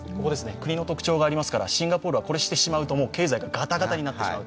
国の特徴がありますから、シンガポールがそれをやると経済がガタガタになってしまう。